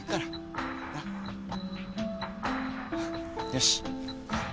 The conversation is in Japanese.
よし。